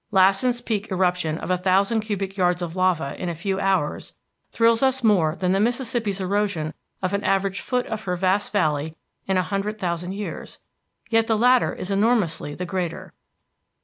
Lassen Peak's eruption of a thousand cubic yards of lava in a few hours thrills us more than the Mississippi's erosion of an average foot of her vast valley in a hundred thousand years; yet the latter is enormously the greater.